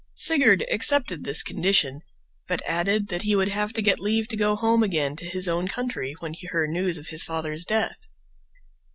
Sigurd accepted this condition, but added that he would have to get leave to go home again to his own country when he heard news of his father's death.